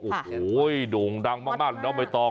โอ้โหโด่งดังมากน้องมายตอง